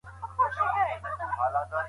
تاریخ په ایډیالوژیک چوکاټ کې تحریف سو.